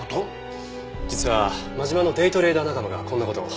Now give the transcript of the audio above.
実は真島のデイトレーダー仲間がこんな事を。